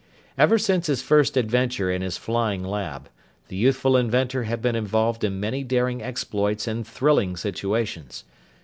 Ever since his first adventure in his Flying Lab, the youthful inventor had been involved in many daring exploits and thrilling situations.